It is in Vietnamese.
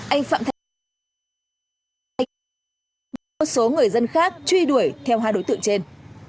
anh phạm thành một số người dân khác truy đuổi theo hai đối tượng trên